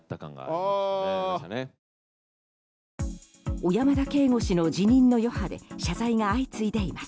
小山田圭吾氏の辞任の余波で謝罪が相次いでいます。